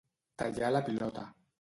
Tallar la pilota.